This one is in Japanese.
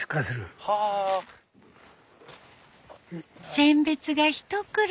選別が一苦労。